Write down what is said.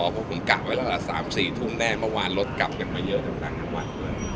เพราะผมกลับไปมาละ๓๔ทุ่มแน่เมื่อวานรถกลับมาเยอะต่างทั้งวัน